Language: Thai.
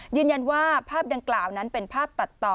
ยืนยันว่าภาพดังกล่าวนั้นเป็นภาพตัดต่อ